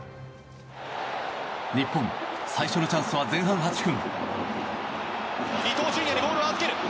日本最初のチャンスは前半８分。